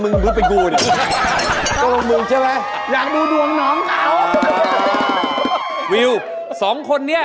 กลงเราง่วงจะเป็นมึงรู้วงเป็นกูเนี่ย